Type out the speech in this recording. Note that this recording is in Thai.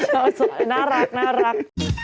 ชาวสอนน่ารัก